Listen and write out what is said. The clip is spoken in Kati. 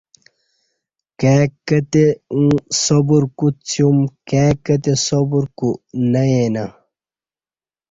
کائی کتی اوں صبر کوڅیوم کائی کتی صبر کو نہ یینہ